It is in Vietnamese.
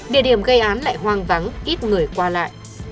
địa điểm gây án lại hoang vắng ít người qua lại